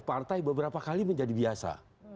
partai beberapa kali menjadi biasa